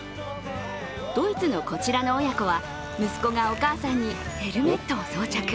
ドイツのこちらの親子は、息子がお母さんにヘルメットを装着。